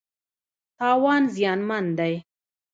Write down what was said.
تاوان زیانمن دی.